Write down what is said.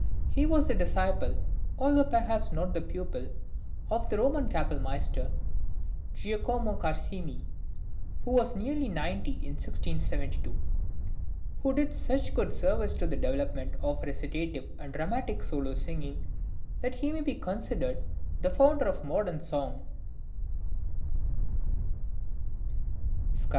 He was the disciple, although perhaps not the pupil, of the Roman kapellmeister, Giacomo Carissimi (who was nearly ninety in 1672), who did such good service to the development of recitative and dramatic solo singing, that he may be considered the founder of modern song.